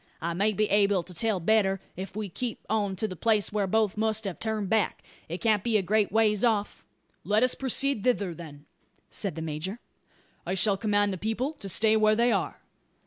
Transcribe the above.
I may be able to tell better, if we keep on to the place whar both must have turned back. It can't be a great ways off." "Let us proceed thither, then," said the major. "I shall command the people to stay where they are."